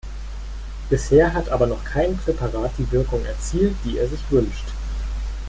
Bisher hat aber noch kein Präparat die Wirkung erzielt, die er sich wünscht.